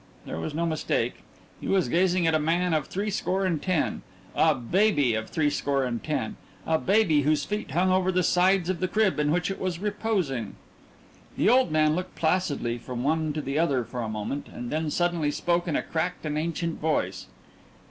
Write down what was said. There was no mistake he was gazing at a man of threescore and ten a baby of threescore and ten, a baby whose feet hung over the sides of the crib in which it was reposing. The old man looked placidly from one to the other for a moment, and then suddenly spoke in a cracked and ancient voice.